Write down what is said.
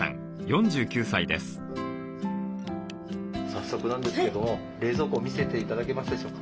早速なんですけども冷蔵庫を見せて頂けますでしょうか？